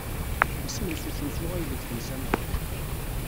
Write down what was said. Isem-nnes usensu aydeg tensam?